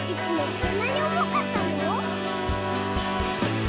こんなにおもかったの？」